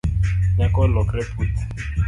Nyako olokore puth